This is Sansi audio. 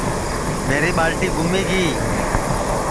میری ٻالٹی گُمی گی